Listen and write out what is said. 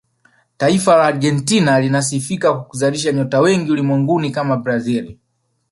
taifa la argentina linasifika kwa kuzalisha nyota wengi ulimwenguni kama brazil